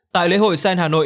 tại lễ hội sen hà nội